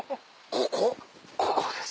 ここです。